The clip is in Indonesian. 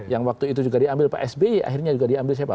yang waktu itu juga diambil pak sby akhirnya juga diambil siapa